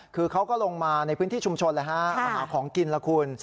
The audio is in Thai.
คือเขาก็ลงมาในพื้นที่ชุมชนเลยฮะมาหาของกินแล้วคุณ